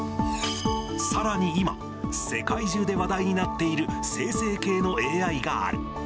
さらに今、世界中で話題になっている生成系のＡＩがある。